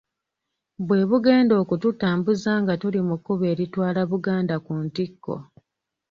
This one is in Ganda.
Bwe bugenda okututambuza nga tuli mu kkubo eritwala Buganda ku ntikko.